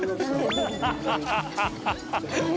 ハハハハ！